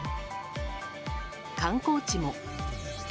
観光地も。